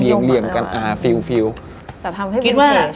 ลักษณียมมากเลยหรือเปล่าแต่ทำให้เป็นพื้นเพจ